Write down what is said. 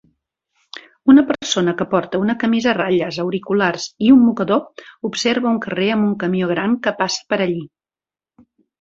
Una persona que porta una camisa a ratlles, auriculars i un mocador observa un carrer amb un camió gran que passa per allí